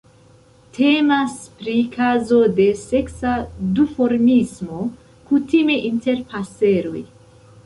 Temas pri kazo de seksa duformismo, kutime inter paseroj.